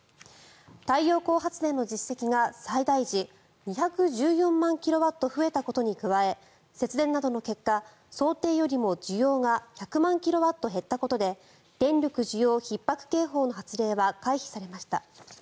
太陽光発電の実績が最大時、２１４万キロワット増えたことに加え節電などの結果想定よりも需要が１００万キロワット減ったことで電力需給ひっ迫注意報の発令は回避されました。